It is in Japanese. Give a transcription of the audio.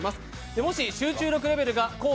もし集中力レベルがコース